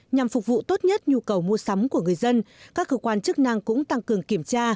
nhằm phục vụ tốt nhất nhu cầu mua sắm của người dân các cơ quan chức năng cũng tăng cường kiểm tra